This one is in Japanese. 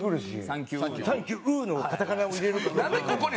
「サンキュウ」のカタカナを入れる。